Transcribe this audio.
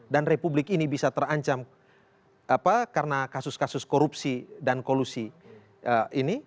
dan republik ini bisa terancam karena kasus kasus korupsi dan kolusi ini